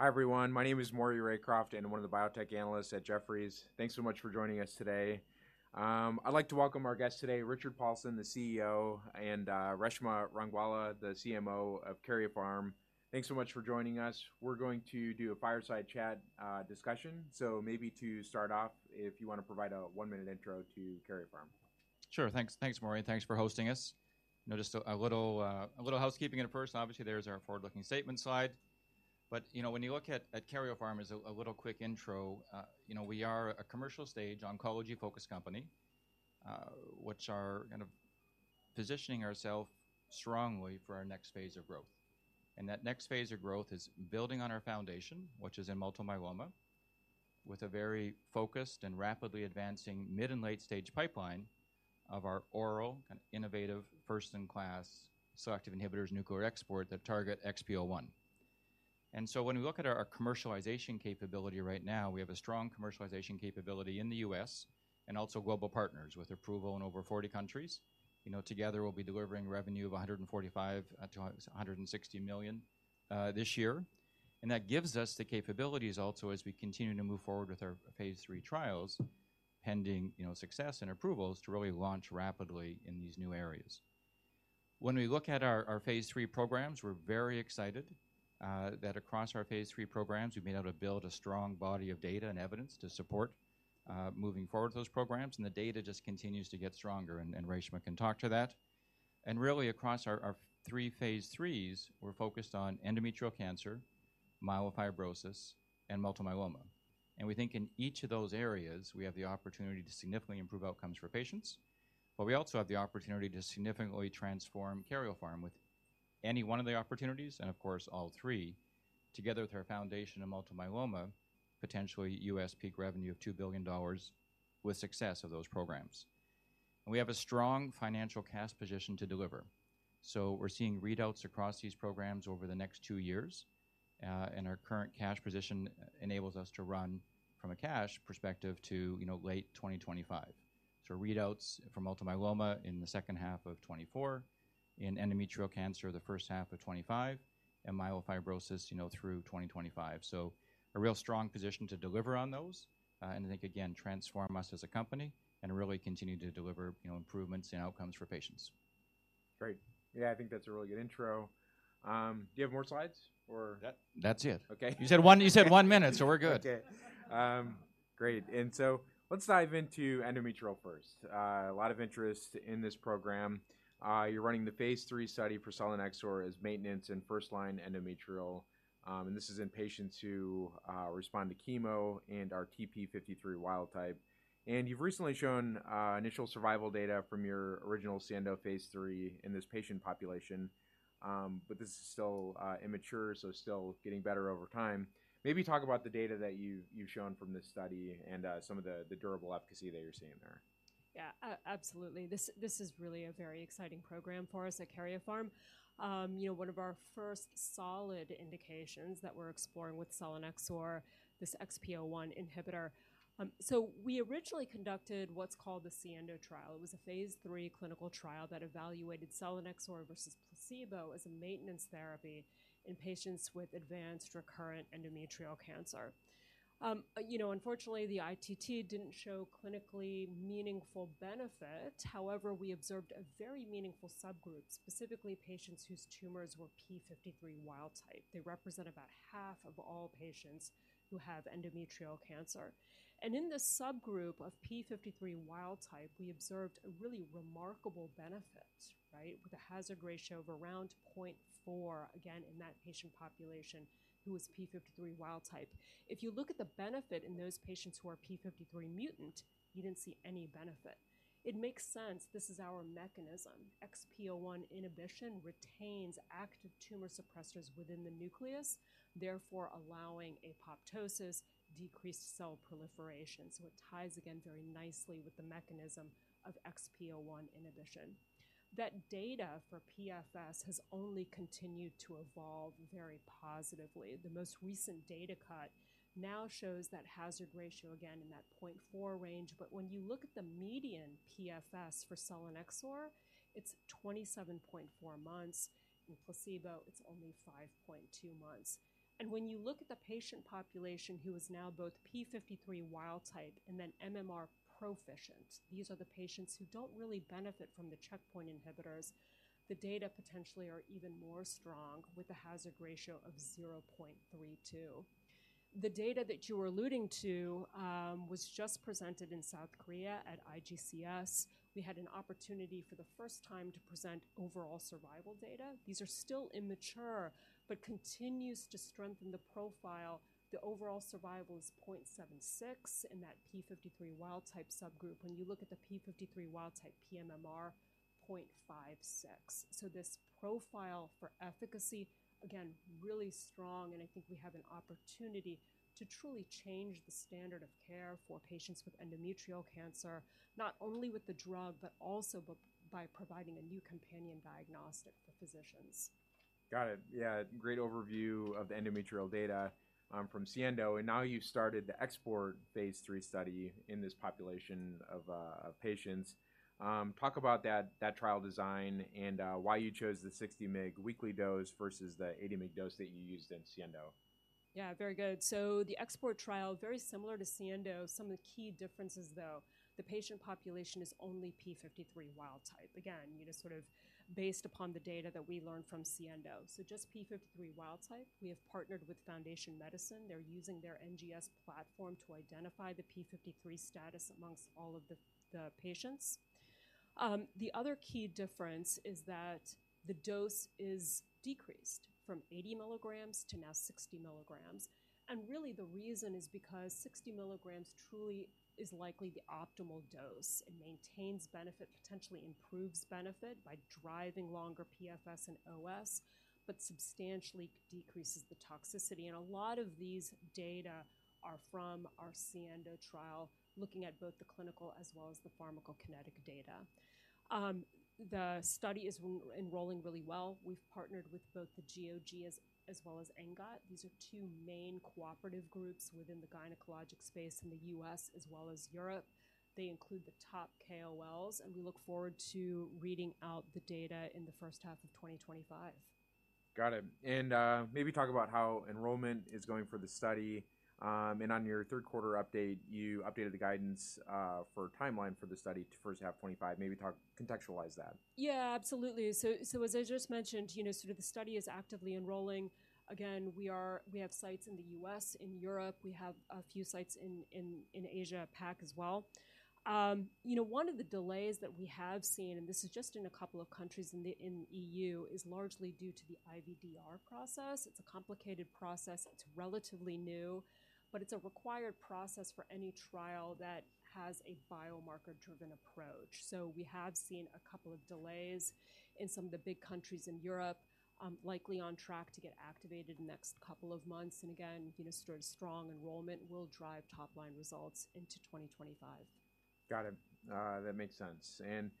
Hi, everyone. My name is Maury Raycroft, and I'm one of the Biotech Analysts at Jefferies. Thanks so much for joining us today. I'd like to welcome our guests today, Richard Paulson, the CEO, and Reshma Rangwala, the CMO of Karyopharm. Thanks so much for joining us. We're going to do a fireside chat discussion. Maybe to start off, if you wanna provide a one-minute intro to Karyopharm. Sure. Thanks. Thanks, Maury, and thanks for hosting us. Just a little housekeeping at first. Obviously, there's our forward-looking statement slide, but, you know, when you look at Karyopharm, as a little quick intro, you know, we are a commercial-stage oncology-focused company, which are kind of positioning ourself strongly for our next phase of growth. And that next phase of growth is building on our foundation, which is in Multiple Myeloma, with a very focused and rapidly advancing mid- and late-stage pipeline of our oral and innovative first-in-class selective inhibitors of nuclear export that target XPO1. And so when we look at our commercialization capability right now, we have a strong commercialization capability in the U.S. and also global partners, with approval in over 40 countries. You know, together, we'll be delivering revenue of $145 million-$160 million this year, and that gives us the capabilities also, as we continue to move forward with our phase III trials, pending, you know, success and approvals, to really launch rapidly in these new areas. When we look at our phase III programs, we're very excited that across our phase III programs, we've been able to build a strong body of data and evidence to support moving forward with those programs, and the data just continues to get stronger, and Reshma can talk to that. Really, across our three phase IIIs, we're focused on endometrial cancer, myelofibrosis, and multiple myeloma. We think in each of those areas, we have the opportunity to significantly improve outcomes for patients, but we also have the opportunity to significantly transform Karyopharm with any one of the opportunities and, of course, all three, together with our foundation in multiple myeloma, potentially U.S. peak revenue of $2 billion with success of those programs. We have a strong financial cash position to deliver. So we're seeing readouts across these programs over the next two years, and our current cash position enables us to run from a cash perspective to, you know, late 2025. So readouts for multiple myeloma in the second half of 2024, in endometrial cancer, the first half of 2025, and myelofibrosis, you know, through 2025. So a real strong position to deliver on those, and I think, again, transform us as a company and really continue to deliver, you know, improvements in outcomes for patients. Great. Yeah, I think that's a really good intro. Do you have more slides or- That's it. Okay. You said one, you said one minute, so we're good. Okay. Great. And so let's dive into endometrial first. A lot of interest in this program. You're running the phase III study for Selinexor as maintenance in first-line endometrial, and this is in patients who respond to chemo and are TP53 wild type. And you've recently shown initial survival data from your original SIENDO phase III in this patient population, but this is still immature, so still getting better over time. Maybe talk about the data that you've shown from this study and some of the durable efficacy that you're seeing there. Yeah, absolutely. This, this is really a very exciting program for us at Karyopharm. You know, one of our first solid indications that we're exploring with Selinexor, this XPO1 inhibitor. So we originally conducted what's called the SIENDO trial. It was a phase III clinical trial that evaluated Selinexor versus placebo as a maintenance therapy in patients with advanced recurrent endometrial cancer. You know, unfortunately, the ITT didn't show clinically meaningful benefit. However, we observed a very meaningful subgroup, specifically patients whose tumors were p53 wild type. They represent about half of all patients who have endometrial cancer. And in this subgroup of p53 wild type, we observed a really remarkable benefit, right? With a hazard ratio of around 0.4, again, in that patient population, who was p53 wild type. If you look at the benefit in those patients who are p53 mutant, you didn't see any benefit. It makes sense. This is our mechanism. XPO1 inhibition retains active tumor suppressors within the nucleus, therefore allowing apoptosis, decreased cell proliferation, so it ties again very nicely with the mechanism of XPO1 inhibition. That data for PFS has only continued to evolve very positively. The most recent data cut now shows that hazard ratio again in that 0.4 range, but when you look at the median PFS for Selinexor, it's 27.4 months. In placebo, it's only 5.2 months. And when you look at the patient population, who is now both p53 wild type and then MMR proficient, these are the patients who don't really benefit from the checkpoint inhibitors. The data potentially are even more strong, with a hazard ratio of 0.32. The data that you were alluding to was just presented in South Korea at IGCS. We had an opportunity for the first time to present overall survival data. These are still immature, but continues to strengthen the profile. The overall survival is 0.76 in that p53 wild type subgroup. When you look at the p53 wild type pMMR, 0.56. So this profile for efficacy, again, really strong, and I think we have an opportunity to truly change the standard of care for patients with endometrial cancer, not only with the drug, but also by, by providing a new companion diagnostic for physicians. Got it. Yeah, great overview of the endometrial data from SIENDO, and now you've started the XPORT phase III study in this population of patients. Talk about that trial design and why you chose the 60 mg weekly dose versus the 80 mg dose that you used in SIENDO.... Yeah, very good. So the XPORT trial, very similar to SIENDO. Some of the key differences, though, the patient population is only p53 wild type. Again, you know, sort of based upon the data that we learned from SIENDO. So just p53 wild type. We have partnered with Foundation Medicine. They're using their NGS platform to identify the p53 status amongst all of the patients. The other key difference is that the dose is decreased from 80 mg to now 60 mg, and really the reason is because 60 mg truly is likely the optimal dose. It maintains benefit, potentially improves benefit by driving longer PFS and OS, but substantially decreases the toxicity. And a lot of these data are from our SIENDO trial, looking at both the clinical as well as the pharmacokinetic data. The study is enrolling really well. We've partnered with both the GOG as well as ENGOT. These are two main cooperative groups within the gynecologic space in the U.S. as well as Europe. They include the top KOLs, and we look forward to reading out the data in the first half of 2025. Got it. And, maybe talk about how enrollment is going for the study. And on your third quarter update, you updated the guidance for timeline for the study to first half 2025. Maybe talk, contextualize that. Yeah, absolutely. So, so as I just mentioned, you know, sort of the study is actively enrolling. Again, we are, we have sites in the U.S., in Europe. We have a few sites in Asia Pac as well. You know, one of the delays that we have seen, and this is just in a couple of countries in the, in EU, is largely due to the IVDR process. It's a complicated process. It's relatively new, but it's a required process for any trial that has a biomarker-driven approach. So we have seen a couple of delays in some of the big countries in Europe, likely on track to get activated in the next couple of months. And again, you know, sort of strong enrollment will drive top-line results into 2025. Got it. That makes sense. And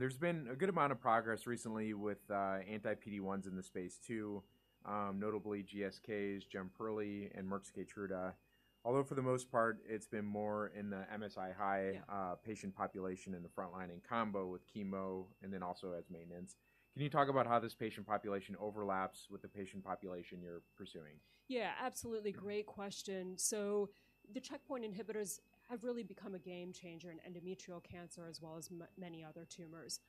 there's been a good amount of progress recently with anti-PD-1s in the space, too, notably GSK's Jemperli and Merck's Keytruda. Although for the most part, it's been more in the MSI-high- Yeah... patient population in the front line in combo with chemo and then also as maintenance. Can you talk about how this patient population overlaps with the patient population you're pursuing? Yeah, absolutely. Great question. So the checkpoint inhibitors have really become a game changer in endometrial cancer as well as many other tumors.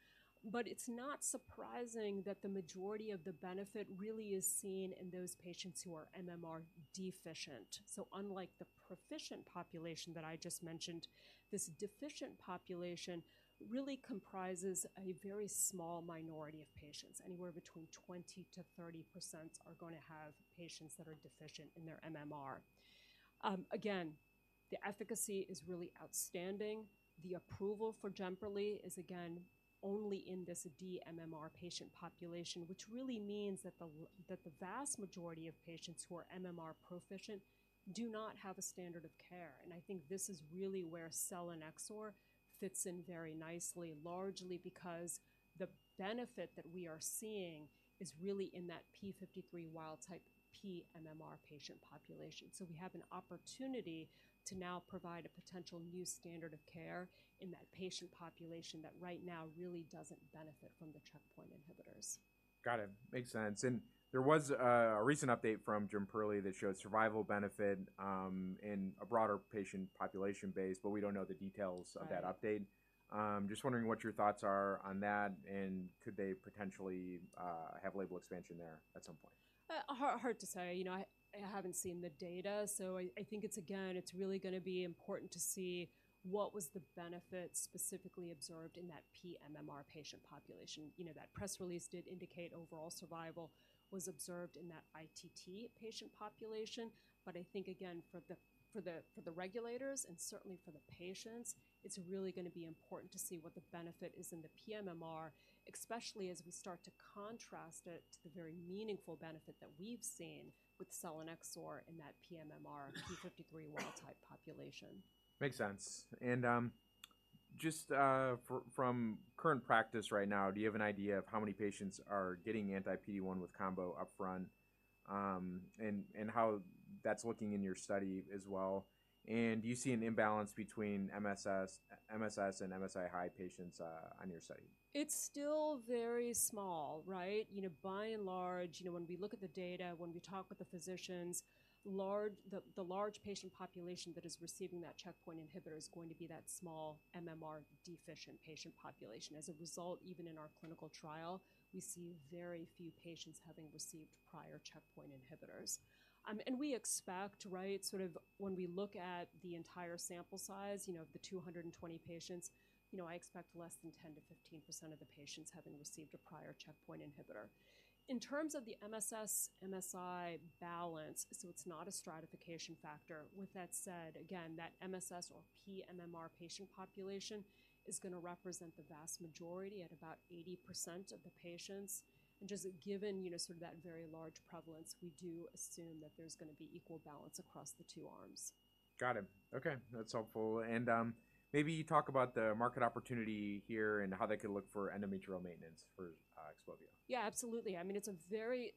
But it's not surprising that the majority of the benefit really is seen in those patients who are MMR deficient. So unlike the proficient population that I just mentioned, this deficient population really comprises a very small minority of patients. Anywhere between 20%-30% are going to have patients that are deficient in their MMR. Again, the efficacy is really outstanding. The approval for Jemperli is, again, only in this dMMR patient population, which really means that that the vast majority of patients who are MMR proficient do not have a standard of care. I think this is really where Selinexor fits in very nicely, largely because the benefit that we are seeing is really in that p53 wild type pMMR patient population. We have an opportunity to now provide a potential new standard of care in that patient population that right now really doesn't benefit from the checkpoint inhibitors. Got it. Makes sense. There was a recent update from Jemperli that showed survival benefit in a broader patient population base, but we don't know the details- Right. -of that update. Just wondering what your thoughts are on that, and could they potentially have label expansion there at some point? Hard to say. You know, I haven't seen the data, so I think it's, again, it's really gonna be important to see what was the benefit specifically observed in that pMMR patient population. You know, that press release did indicate overall survival was observed in that ITT patient population. But I think, again, for the regulators and certainly for the patients, it's really gonna be important to see what the benefit is in the pMMR, especially as we start to contrast it to the very meaningful benefit that we've seen with Selinexor in that pMMR-p53 wild type population. Makes sense. And, just, from current practice right now, do you have an idea of how many patients are getting anti-PD-1 with combo upfront? And, how that's looking in your study as well. And do you see an imbalance between MSS, MSS and MSI-high patients, on your study? It's still very small, right? You know, by and large, you know, when we look at the data, when we talk with the physicians, the large patient population that is receiving that checkpoint inhibitor is going to be that dMMR deficient patient population. As a result, even in our clinical trial, we see very few patients having received prior checkpoint inhibitors. And we expect, right, sort of when we look at the entire sample size, you know, the 220 patients, you know, I expect less than 10%-15% of the patients having received a prior checkpoint inhibitor. In terms of the MSS, MSI balance, so it's not a stratification factor. With that said, again, that MSS or pMMR patient population is gonna represent the vast majority at about 80% of the patients. Just given, you know, sort of that very large prevalence, we do assume that there's gonna be equal balance across the two arms. Got it. Okay, that's helpful. And, maybe talk about the market opportunity here and how they could look for endometrial maintenance for XPOVIO. Yeah, absolutely. I mean, it's a very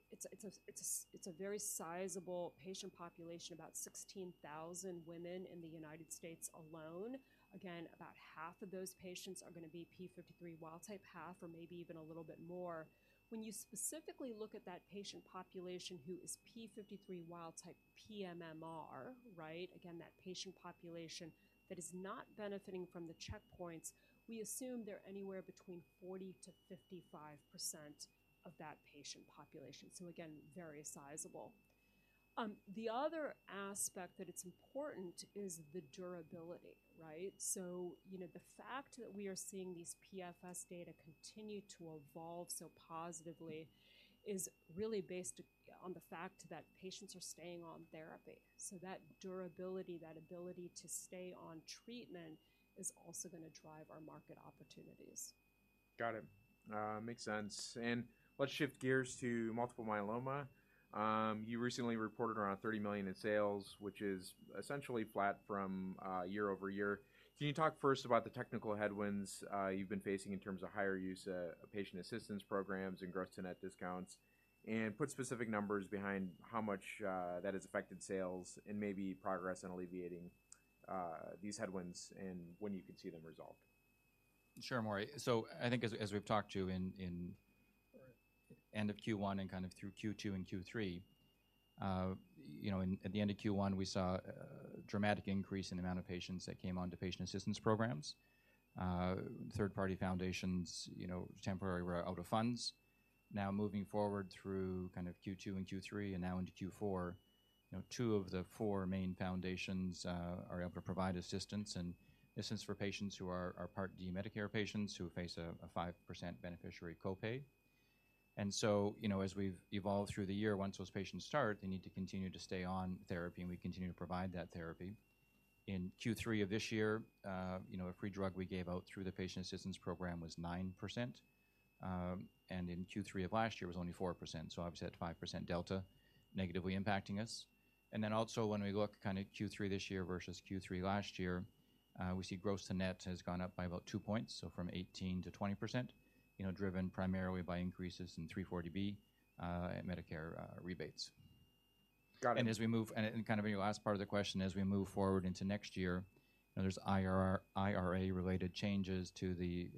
sizable patient population, about 16,000 women in the United States alone. Again, about half of those patients are gonna be p53 wild type, half or maybe even a little bit more, when you specifically look at that patient population who is p53 wild type pMMR, right? Again, that patient population that is not benefiting from the checkpoints, we assume they're anywhere between 40%-55% of that patient population. So again, very sizable. The other aspect that's important is the durability, right? So, you know, the fact that we are seeing these PFS data continue to evolve so positively is really based on the fact that patients are staying on therapy. So that durability, that ability to stay on treatment, is also gonna drive our market opportunities. Got it. Makes sense. And let's shift gears to multiple myeloma. You recently reported around $30 million in sales, which is essentially flat from year-over-year. Can you talk first about the technical headwinds you've been facing in terms of higher use of patient assistance programs and gross to net discounts, and put specific numbers behind how much that has affected sales and maybe progress in alleviating these headwinds and when you could see them resolved? Sure, Maury. So I think as we've talked to in end of Q1 and kind of through Q2 and Q3, you know, at the end of Q1, we saw a dramatic increase in the amount of patients that came onto patient assistance programs. Third-party foundations, you know, temporarily were out of funds. Now moving forward through kind of Q2 and Q3 and now into Q4, you know, two of the four main foundations are able to provide assistance, and this is for patients who are Part D Medicare patients who face a 5% beneficiary copay. So, you know, as we've evolved through the year, once those patients start, they need to continue to stay on therapy, and we continue to provide that therapy. In Q3 of this year, you know, a free drug we gave out through the patient assistance program was 9%, and in Q3 of last year was only 4%. So obviously, that 5% delta negatively impacting us. And then also, when we look kind of Q3 this year versus Q3 last year, we see gross to net has gone up by about two points, so from 18%-20%, you know, driven primarily by increases in 340B, and Medicare, rebates. Got it. and kind of in your last part of the question, as we move forward into next year, there's IRA-related changes to the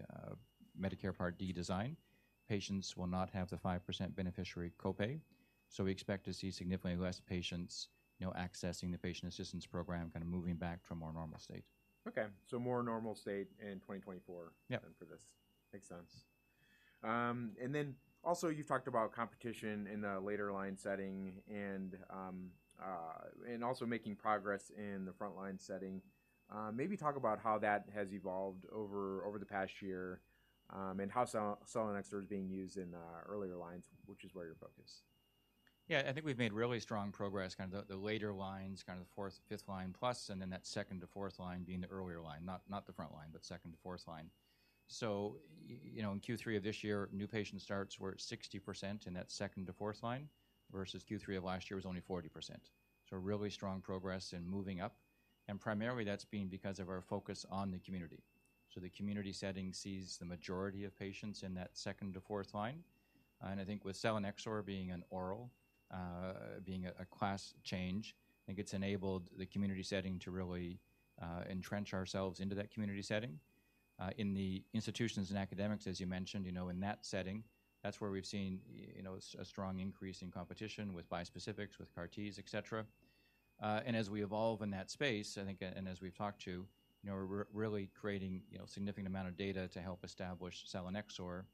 Medicare Part D design. Patients will not have the 5% beneficiary copay, so we expect to see significantly less patients, you know, accessing the patient assistance program, kind of moving back to a more normal state. Okay, so more normal state in 2024- Yeah. -than for this. Makes sense. And then also, you've talked about competition in the later line setting and, and also making progress in the frontline setting. Maybe talk about how that has evolved over the past year, and how Selinexor is being used in earlier lines, which is where your focus. Yeah, I think we've made really strong progress, kind of the later lines, kind of the fourth, fifth line plus, and then that second to fourth line being the earlier line, not the front line, but second to fourth line. So, you know, in Q3 of this year, new patient starts were at 60% in that second to fourth line, versus Q3 of last year was only 40%. So really strong progress in moving up, and primarily that's been because of our focus on the community. So the community setting sees the majority of patients in that second to fourth line, and I think with Selinexor being an oral, being a class change, I think it's enabled the community setting to really entrench ourselves into that community setting. In the institutions and academics, as you mentioned, you know, in that setting, that's where we've seen, you know, a strong increase in competition with bispecifics, with CAR-Ts, et cetera. And as we evolve in that space, I think, and as we've talked to, you know, we're really creating, you know, significant amount of data to help establish Selinexor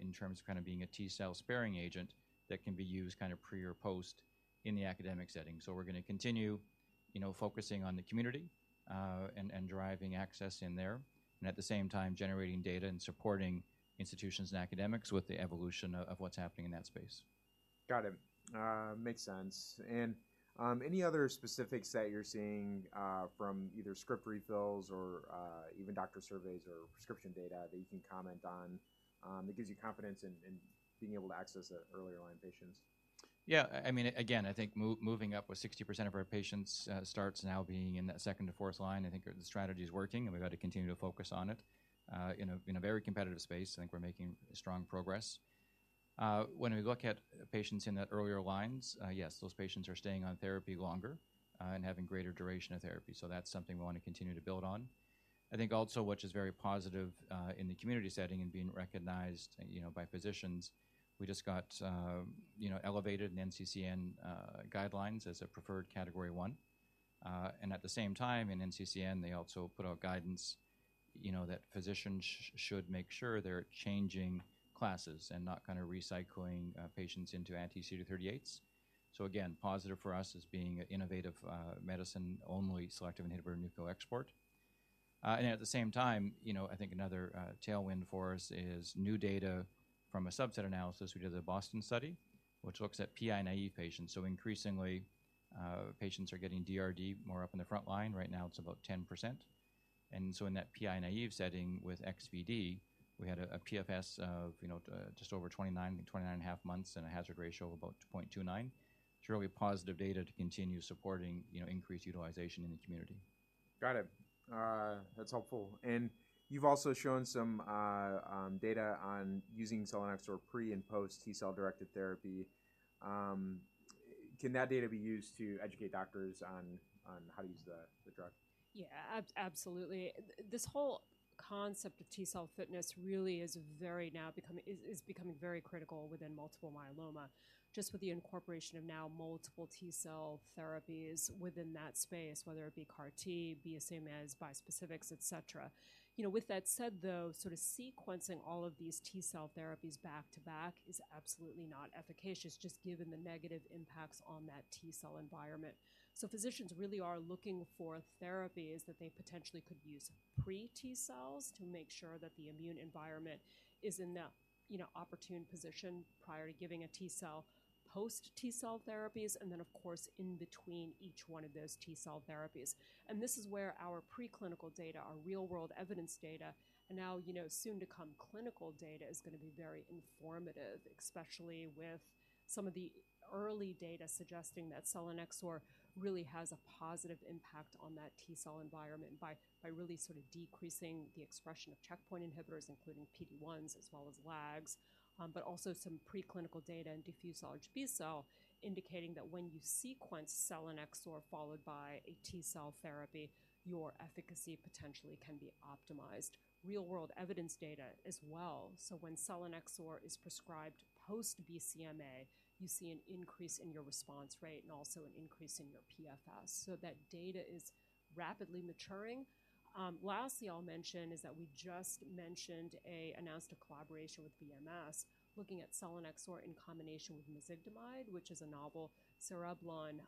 in terms of kind of being a T cell sparing agent that can be used kind of pre or post in the academic setting. So we're gonna continue, you know, focusing on the community and driving access in there, and at the same time, generating data and supporting institutions and academics with the evolution of what's happening in that space. Got it. Makes sense. And any other specifics that you're seeing from either script refills or even doctor surveys or prescription data that you can comment on that gives you confidence in being able to access earlier line patients? Yeah, I mean, again, I think moving up with 60% of our patients starts now being in that second to fourth line, I think the strategy is working, and we've got to continue to focus on it. In a very competitive space, I think we're making strong progress. When we look at patients in the earlier lines, yes, those patients are staying on therapy longer and having greater duration of therapy. So that's something we want to continue to build on. I think also, which is very positive, in the community setting and being recognized, you know, by physicians, we just got, you know, elevated in NCCN guidelines as a preferred Category 1. And at the same time, in NCCN, they also put out guidance, you know, that physicians should make sure they're changing classes and not kind of recycling patients into Anti-CD38s. So again, positive for us as being an innovative medicine, only selective inhibitor nuclear export. And at the same time, you know, I think another tailwind for us is new data from a subset analysis. We did the BOSTON study, which looks at PI-naive patients. So increasingly, patients are getting DRd more up in the frontline. Right now, it's about 10%. And so in that PI-naive setting with XVd, we had a PFS of, you know, just over 29, 29.5 months and a hazard ratio of about 0.29. It's really positive data to continue supporting, you know, increased utilization in the community. Got it. That's helpful. And you've also shown some data on using Selinexor pre- and post-T cell-directed therapy. Can that data be used to educate doctors on how to use the drug? Yeah, absolutely. This whole concept of T cell fitness really is becoming very critical within multiple myeloma, just with the incorporation of now multiple T cell therapies within that space, whether it be CAR-T, BCMA, bispecifics, et cetera. You know, with that said, though, sort of sequencing all of these T cell therapies back-to-back is absolutely not efficacious, just given the negative impacts on that T cell environment. So physicians really are looking for therapies that they potentially could use pre-T cells to make sure that the immune environment is in that, you know, opportune position prior to giving a T cell, post-T cell therapies, and then, of course, in between each one of those T cell therapies. This is where our preclinical data, our real-world evidence data, and now, you know, soon-to-come clinical data is going to be very informative, especially with some of the early data suggesting that Selinexor really has a positive impact on that T cell environment by really sort of decreasing the expression of checkpoint inhibitors, including PD-1s as well as LAGs. But also some preclinical data in Diffuse Large B-Cell, indicating that when you sequence Selinexor followed by a T cell therapy, your efficacy potentially can be optimized. Real-world evidence data as well. So when Selinexor is prescribed post-BCMA, you see an increase in your response rate and also an increase in your PFS. So that data is rapidly maturing. Lastly, I'll mention is that we just announced a collaboration with BMS, looking at Selinexor in combination with Mezigdomide, which is a novel cereblon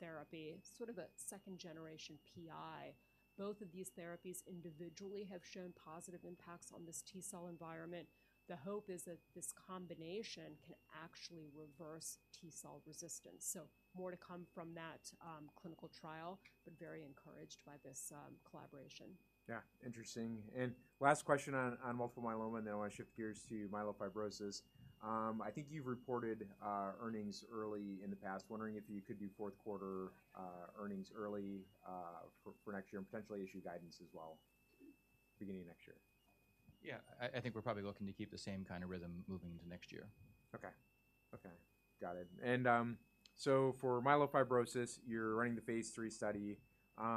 therapy, sort of a second-generation PI. Both of these therapies individually have shown positive impacts on this T cell environment. The hope is that this combination can actually reverse T cell resistance. So more to come from that clinical trial, but very encouraged by this collaboration. Yeah, interesting. Last question on multiple myeloma, and then I want to shift gears to myelofibrosis. I think you've reported earnings early in the past. Wondering if you could do fourth quarter earnings early for next year and potentially issue guidance as well, beginning of next year. Yeah, I think we're probably looking to keep the same kind of rhythm moving into next year. Okay. Okay, got it. And, so for myelofibrosis, you're running the phase III study.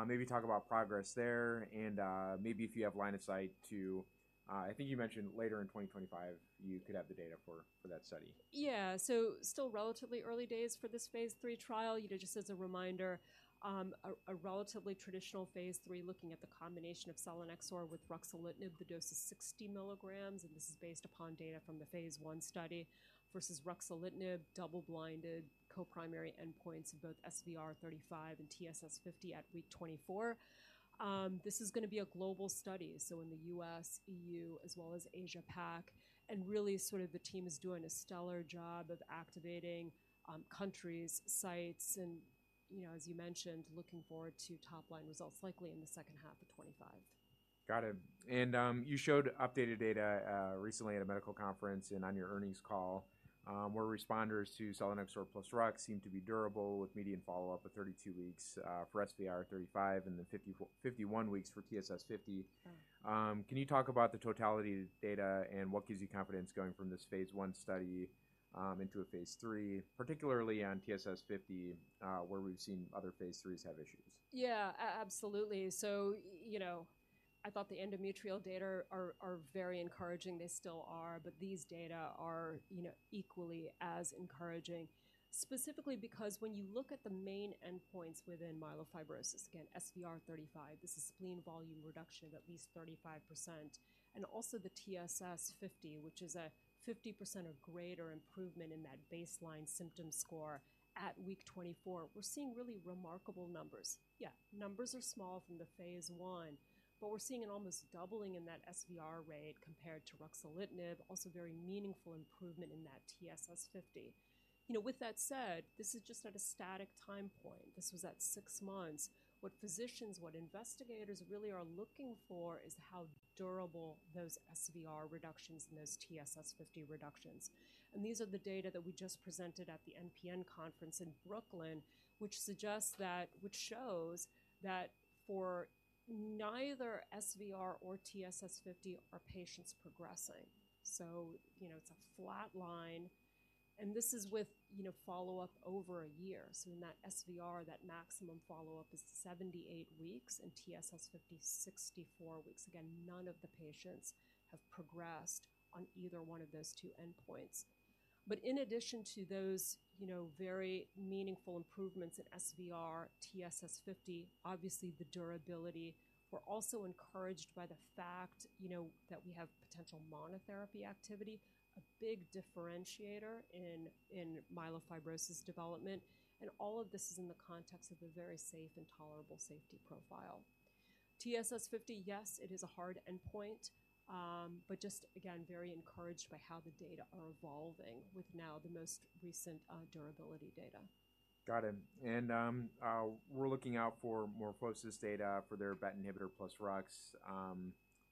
Maybe talk about progress there and, maybe if you have line of sight to... I think you mentioned later in 2025, you could have the data for, for that study. Yeah. So still relatively early days for this phase III trial. You know, just as a reminder, a relatively traditional phase III, looking at the combination of Selinexor with Ruxolitinib. The dose is 60 mg, and this is based upon data from the phase 1 study versus Ruxolitinib, double-blinded, co-primary endpoints of both SVR 35 and TSS 50 at week 24. This is going to be a global study, so in the U.S., EU, as well as Asia Pac, and really, sort of the team is doing a stellar job of activating countries, sites and, you know, as you mentioned, looking forward to top-line results, likely in the second half of 2025. Got it. And you showed updated data recently at a medical conference and on your earnings call, where responders to Selinexor plus Rux seem to be durable, with median follow-up at 32 weeks for SVR 35 and then 51 weeks for TSS 50. Mm. Can you talk about the totality data and what gives you confidence going from this phase I study into a phase III, particularly on TSS 50, where we've seen other phase IIIs have issues? Yeah, absolutely. So, you know, I thought the endometrial data are very encouraging. They still are, but these data are, you know, equally as encouraging. Specifically, because when you look at the main endpoints within myelofibrosis, again, SVR35, this is spleen volume reduction of at least 35%, and also the TSS50, which is a 50% or greater improvement in that baseline symptom score at week 24. We're seeing really remarkable numbers. Yeah, numbers are small from the phase I, but we're seeing an almost doubling in that SVR rate compared to Ruxolitinib, also very meaningful improvement in that TSS50. You know, with that said, this is just at a static time point. This was at 6 months. What physicians, what investigators really are looking for is how durable those SVR reductions and those TSS50 reductions. These are the data that we just presented at the MPN conference in Brooklyn, which suggests that, which shows that for neither SVR or TSS50 are patients progressing. So, you know, it's a flat line, and this is with, you know, follow-up over a year. So in that SVR, that maximum follow-up is 78 weeks, and TSS50, 64 weeks. Again, none of the patients have progressed on either one of those two endpoints. But in addition to those, you know, very meaningful improvements in SVR, TSS50, obviously the durability, we're also encouraged by the fact, you know, that we have potential monotherapy activity, a big differentiator in, in myelofibrosis development, and all of this is in the context of a very safe and tolerable safety profile. TSS50, yes, it is a hard endpoint, but just again, very encouraged by how the data are evolving with now the most recent, durability data. Got it. And, we're looking out for Morphosys data for their BET inhibitor plus Rux.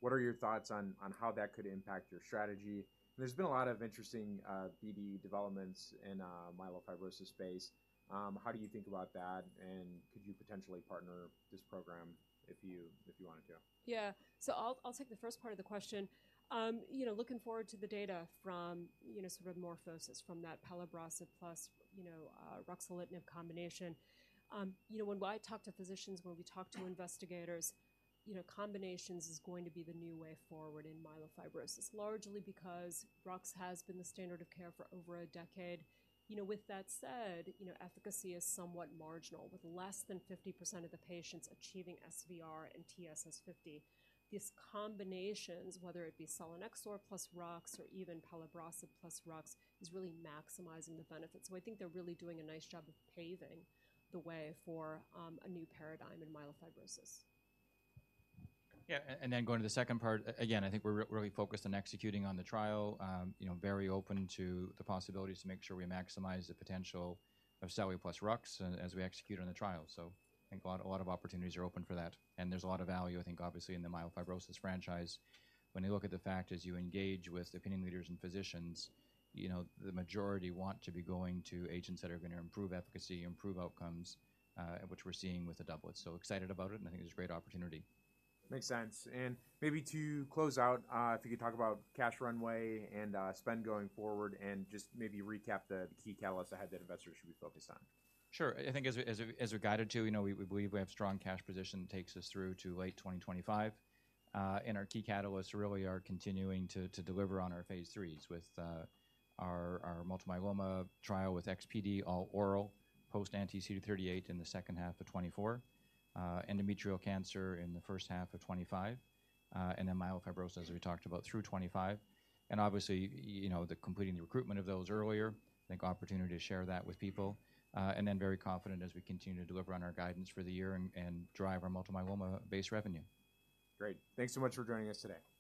What are your thoughts on how that could impact your strategy? There's been a lot of interesting BD developments in myelofibrosis space. How do you think about that, and could you potentially partner this program if you wanted to? Yeah. So I'll take the first part of the question. You know, looking forward to the data from, you know, sort of MorphoSys from that Pelabresib plus, you know, Ruxolitinib combination. You know, when I talk to physicians, when we talk to investigators, you know, combinations is going to be the new way forward in myelofibrosis, largely because Rux has been the standard of care for over a decade. You know, with that said, you know, efficacy is somewhat marginal, with less than 50% of the patients achieving SVR and TSS 50. These combinations, whether it be Selinexor plus Rux or even Pelabresib plus Rux, is really maximizing the benefits. So I think they're really doing a nice job of paving the way for a new paradigm in myelofibrosis. Yeah, and then going to the second part, again, I think we're really focused on executing on the trial. You know, very open to the possibilities to make sure we maximize the potential of Selinexor plus Rux as we execute on the trial. So I think a lot, a lot of opportunities are open for that, and there's a lot of value, I think, obviously, in the myelofibrosis franchise. When you look at the fact, as you engage with opinion leaders and physicians, you know, the majority want to be going to agents that are going to improve efficacy, improve outcomes, which we're seeing with the doublets. So excited about it, and I think it's a great opportunity. Makes sense. Maybe to close out, if you could talk about cash runway and spend going forward, and just maybe recap the key catalysts ahead that investors should be focused on. Sure. I think as we're guided to, you know, we believe we have strong cash position takes us through to late 2025. And our key catalysts really are continuing to deliver on our phase 3s with our multiple myeloma trial with XPOVIO all oral post anti-CD38 in the second half of 2024, endometrial cancer in the first half of 2025, and then myelofibrosis, as we talked about, through 2025. And obviously, you know, the completing the recruitment of those earlier, I think opportunity to share that with people, and then very confident as we continue to deliver on our guidance for the year and drive our multiple myeloma base revenue. Great. Thanks so much for joining us today. Thank you.